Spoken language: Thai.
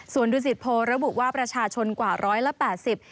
ส่วนดุสิตโพระบุว่าประชาชนกว่าร้อยละแปดสิบ